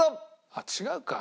あっ違うか。